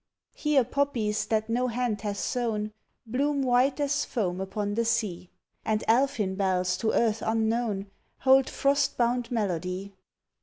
Here poppies that no hand hath sown Bloom white as foam upon the sea, And elfin bells to earth unknown Hold frost bound melody.